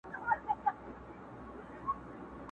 درته ایښي د څپلیو دي رنګونه!!.